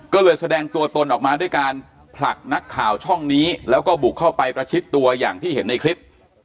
ก็เลยแสดงตัวตนออกมาด้วยการผลักนักข่าวช่องนี้แล้วก็บุกเข้าไปประชิดตัวอย่างที่เห็นในคลิป